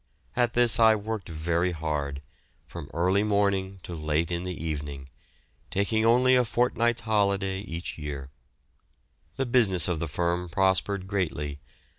At this I worked very hard, from early morning to late in the evening, taking only a fortnight's holiday each year. The business of the firm prospered greatly.